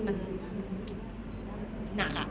มันหนักอะ